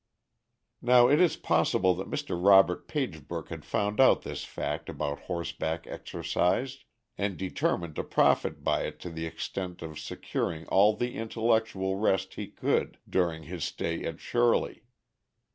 Now it is possible that Mr. Robert Pagebrook had found out this fact about horseback exercise, and determined to profit by it to the extent of securing all the intellectual rest he could during his stay at Shirley.